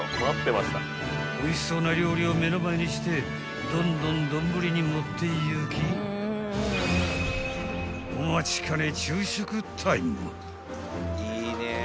［おいしそうな料理を目の前にしてどんどん丼に盛っていきお待ちかね］